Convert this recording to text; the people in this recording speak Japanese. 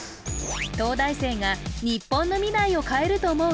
東大生が日本の未来を変える思う